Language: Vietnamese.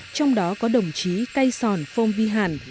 trong đó có đồng chí cây sòn phôm vi hàn